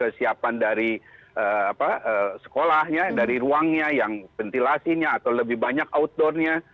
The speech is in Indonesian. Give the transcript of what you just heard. kesiapan dari sekolahnya dari ruangnya yang ventilasinya atau lebih banyak outdoornya